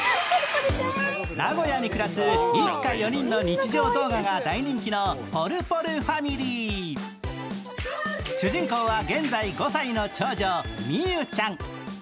名古屋に暮らす一家４人の日常動画が大人気のぽるぽるふぁみりー。主人公は現在５歳の長女、みゆちゃん。